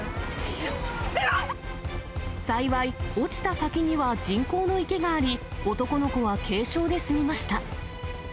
幸い、落ちた先には人工の池があり、男の子は軽傷で済みました。